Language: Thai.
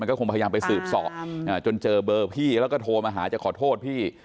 ก็คงพยายามไปสืบสอบจนเจอเบอร์พี่แล้วก็โทรมาหาจะขอโทษพี่